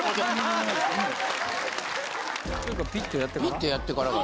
ピッとやってからかな。